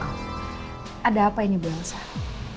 maaf ada apa ini belum sah